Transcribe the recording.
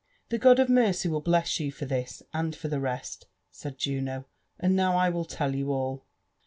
"The God of mercy will bless you for this, and for the rest," said Juno; "and now I will tell you all.